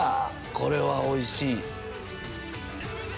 これはおいしい！